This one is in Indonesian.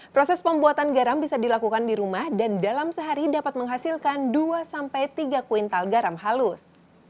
proses pembuatan garam bisa dilakukan di rumah dan dalam sehari dapat menghasilkan dua sampai tiga kuintal garam halus